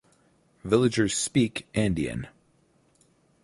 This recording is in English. Villagers speak Andean.